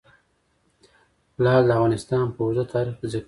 لعل د افغانستان په اوږده تاریخ کې ذکر شوی دی.